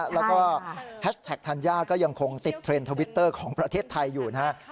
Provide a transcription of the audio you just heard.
แล้วก็แฮชแท็กธัญญาก็ยังคงติดเทรนด์ทวิตเตอร์ของประเทศไทยอยู่นะฮะ